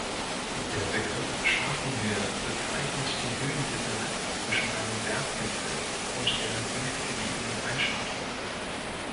Der Begriff Schartenhöhe bezeichnet die Höhendifferenz zwischen einem Berggipfel und der höchstgelegenen Einschartung.